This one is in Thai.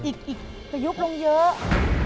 อีกอีกประยุบหลงเยอะ